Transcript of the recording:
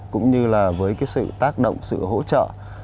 cũng như là với cái sự tác động sự hỗ trợ